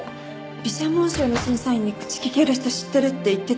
美写紋賞の審査員に口利ける人知ってるって言ってたよね？